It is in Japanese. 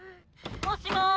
もしもし。